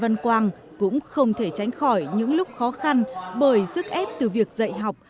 các thầy cô giáo cũng không thể tránh khỏi những lúc khó khăn bởi sức ép từ việc dạy học